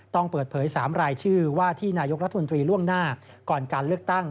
ต้องเปิดเผย๓รายชื่อว่าที่นายกรัฐมนตรีล่วงหน้าก่อนการเลือกตั้ง